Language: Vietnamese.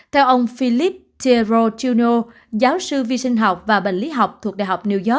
theo ông philip tiero chuno giáo sư vi sinh học và bệnh lý học thuộc đại học new york